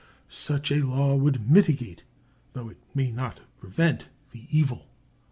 Such a law would mitigate, though it might not prevent, the evil.